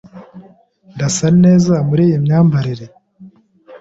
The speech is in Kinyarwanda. Ndasa neza muri iyi myambarire?